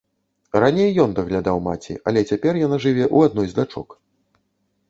Раней ён даглядаў маці, але цяпер яна жыве ў адной з дачок.